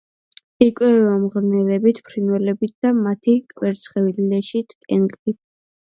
იკვებება მღრღნელებით, ფრინველებით და მათი კვერცხებით, ლეშით, კენკრით.